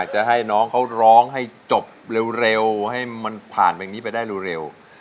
จับเร็วได้เร็ว